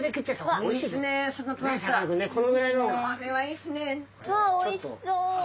わあおいしそう！